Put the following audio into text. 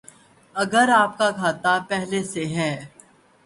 اگر آپ کا کھاتہ پہلے سے ہے